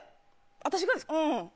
私がですか？